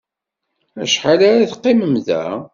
Acḥal ara teqqimem da?